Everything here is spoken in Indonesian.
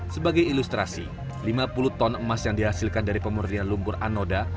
sebagai ilustrasi lima puluh ton emas yang dihasilkan dari pemurnian lumpur anoda